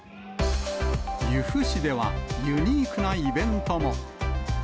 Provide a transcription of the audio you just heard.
由布市では、ユニークなイベントも。